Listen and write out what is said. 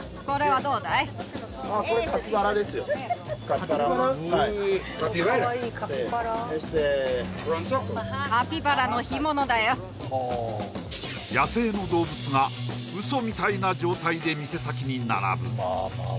はい野生の動物がウソみたいな状態で店先に並ぶ